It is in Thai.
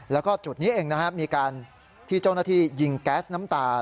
แล้วก็จุดนี้เองนะครับมีการที่เจ้าหน้าที่ยิงแก๊สน้ำตา